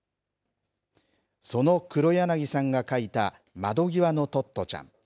その黒柳さんが書いた、窓ぎわのトットちゃん。